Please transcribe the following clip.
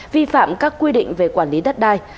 vi phạm các quy định về quản lý đất đai